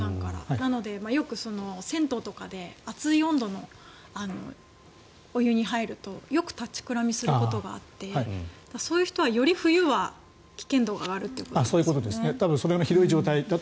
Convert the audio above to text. なので、よく銭湯とかで熱い温度のお湯に入るとよく立ちくらみすることがあってそういう人は、より冬は危険度が上がるということですね。